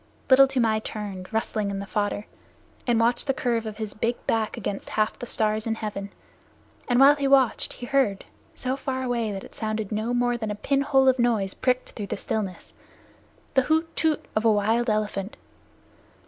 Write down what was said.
Little Toomai turned, rustling in the fodder, and watched the curve of his big back against half the stars in heaven, and while he watched he heard, so far away that it sounded no more than a pinhole of noise pricked through the stillness, the "hoot toot" of a wild elephant.